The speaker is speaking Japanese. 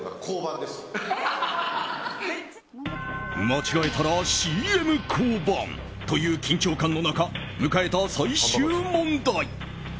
間違えたらＣＭ降板という緊張感の中迎えた最終問題。